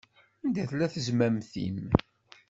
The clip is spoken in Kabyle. Anda tella tezmamt-im?